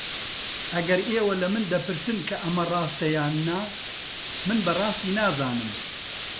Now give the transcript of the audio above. ئەگەر ئێوە لە من دەپرسن کە ئەمە ڕاستە یان نا، من بەڕاستی نازانم.